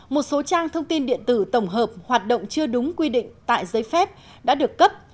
một số trang thông tin điện tử tổng hợp hoạt động chưa đúng quy định tại giấy phép đã được cấp